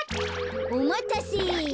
おまたせ。